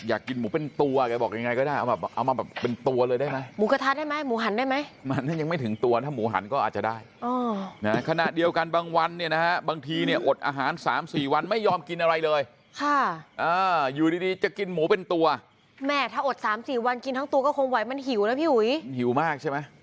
ยิ่งวันไหนวันโกนวันพระยิ่งหนักเข้าไปอีก